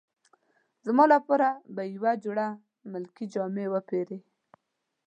زما لپاره به یوه جوړه ملکي جامې وپیرې.